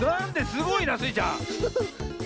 すごいなスイちゃん。